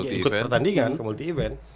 ikut pertandingan ke multi event